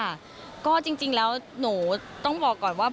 ก็จริงแล้วหนูต้องบอกก่อนว่า